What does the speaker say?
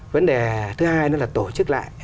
vấn đề thứ hai là tổ chức lại